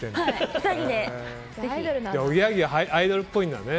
おぎやはぎはアイドルっぽいんだね。